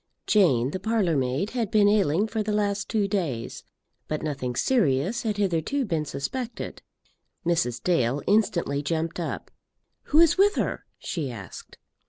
Jane, the parlour maid, had been ailing for the last two days, but nothing serious had hitherto been suspected. Mrs. Dale instantly jumped up. "Who is with her?" she asked.